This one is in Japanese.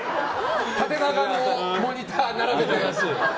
縦長のモニターを並べて。